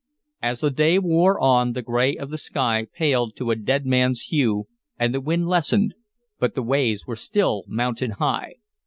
As the day wore on, the gray of the sky paled to a dead man's hue and the wind lessened, but the waves were still mountain high.